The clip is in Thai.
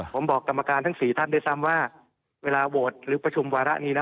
ผมบอกกรรมการทั้ง๔ท่านด้วยซ้ำว่าเวลาโหวตหรือประชุมวาระนี้นะ